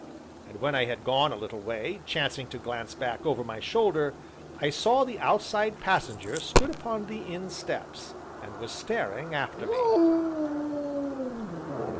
And when I had gone a little way, chancing to glance back over my shoulder, I saw that the Outside Passenger stood upon the inn steps, and was staring after me.